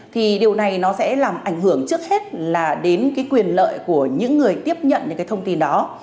thì điều này nó sẽ làm ảnh hưởng trước hết là đến cái quyền lợi của những người tiếp nhận những cái thông tin đó